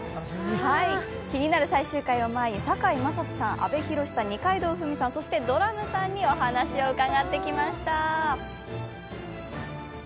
気になる最終回を前に堺雅人さん、阿部寛さん、二階堂ふみさん、そしてドラムさんにお話を伺ってきました。